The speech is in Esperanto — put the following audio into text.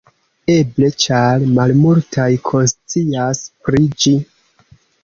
Eble ĉar malmultaj konscias pri ĝi?